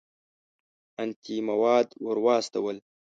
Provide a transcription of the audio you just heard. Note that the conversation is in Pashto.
انتیک مواد ور واستول.